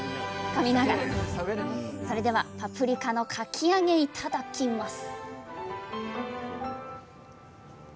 それではパプリカのかき揚げいただきます！